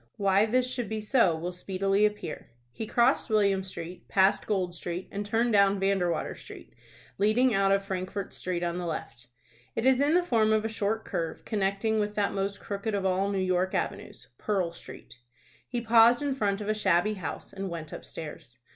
Why this should be so will speedily appear. He crossed William Street, passed Gold Street, and turned down Vandewater Street, leading out of Frankfort's Street on the left. It is in the form of a short curve, connecting with that most crooked of all New York avenues, Pearl Street. He paused in front of a shabby house, and went upstairs.